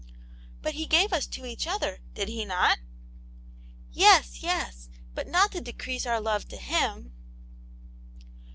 "But He gave us to each other, did He not?" " Yes, yes ! but not to decrease our love to Him."